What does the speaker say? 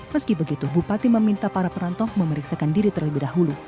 meski begitu bupati meminta para perantau memeriksakan diri terlebih dahulu